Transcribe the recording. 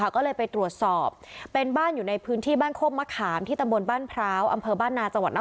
ก็เลยไปตรวจสอบเป็นบ้านอยู่ในพื้นที่บ้านโค้กมะขามที่ตมบ้านพร้าว